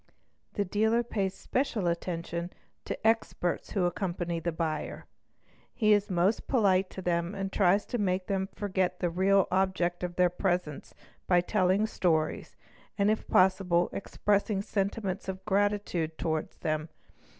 The dealer pays special attention to experts who accompany the ) buyer; he is most polite to them and tries to make them forget the real ) object of their presence by telling stories and if possible expressing sentiments of gratitude towards them.